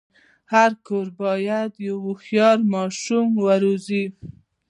هر کور باید یو هوښیار ماشوم وروزي.